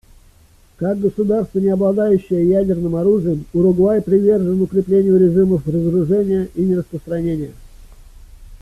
Как государство, не обладающее ядерным оружием, Уругвай привержен укреплению режимов разоружения и нераспространения.